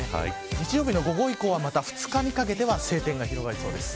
日曜日の午後以降は２日にかけては晴天が広がりそうです。